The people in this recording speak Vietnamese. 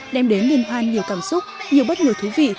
đem đến liên hoan nhiều cảm xúc nhiều bất ngờ thú vị